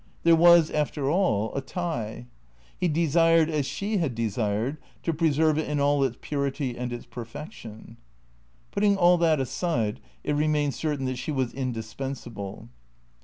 There was after all a tie. He desired, as she had desired, to preserve it in its purity and its perfection. Putting all that aside, it remained certain that she was indis pensable.